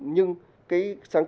nhưng cái sáng kiến này